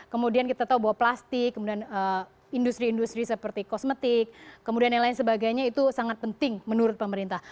kemudian kita tahu bahwa plastik kemudian industri industri seperti kosmetik kemudian yang lain sebagainya itu sangat penting menurut pemerintah